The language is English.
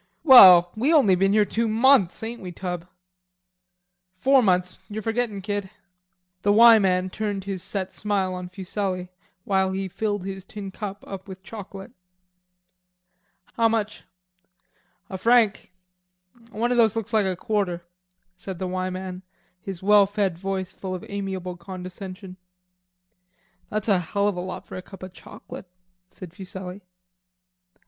"Well, we only been here two months, ain't we, Tub?" "Four months; you're forgettin', kid." The "Y" man turned his set smile on Fuselli while he filled his tin cup up with chocolate. "How much?" "A franc; one of those looks like a quarter," said the "Y" man, his well fed voice full of amiable condescension. "That's a hell of a lot for a cup of chauclate," said Fuselli.